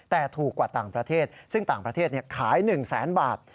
แต่ถูกกว่าต่างประเทศซึ่งต่างประเทศขาย๑แสนบาท